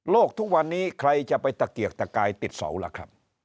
ทุกวันนี้ใครจะไปตะเกียกตะกายติดเสาล่ะครับ